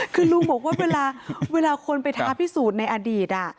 คือลุงบอกว่าเวลาคนไปท้าพิสูจน์ในอดีต